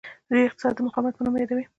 دوی اقتصاد د مقاومت په نوم یادوي.